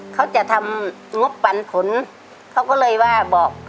เขาจะทำงบปันผลเขาก็เลยว่าบอก